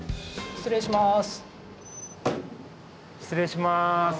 失礼します。